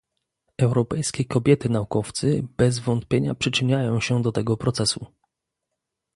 Europejskie kobiety naukowcy bez wątpienia przyczyniają się do tego procesu